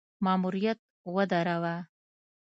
ماموریت ودراوه.